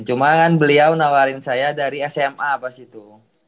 cuma kan beliau nawarin saya dari sma pas itu